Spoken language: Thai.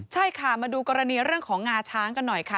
ใช่ค่ะมาดูกรณีเรื่องของงาช้างกันหน่อยค่ะ